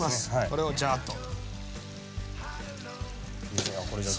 これをジャーッと。